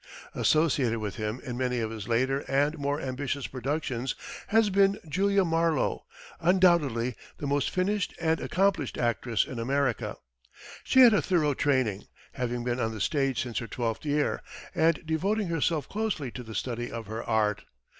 Associated with him in many of his later and more ambitious productions has been Julia Marlowe, undoubtedly the most finished and accomplished actress in America. She had a thorough training, having been on the stage since her twelfth year, and devoting herself closely to the study of her art.